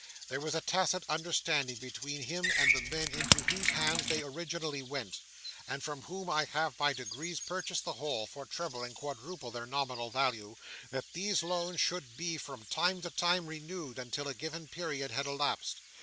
There was a tacit understanding between him and the men into whose hands they originally went and from whom I have by degrees purchased the whole, for treble and quadruple their nominal value that these loans should be from time to time renewed, until a given period had elapsed.